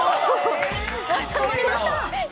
かしこまりました！